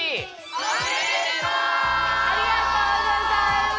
ありがとうございます！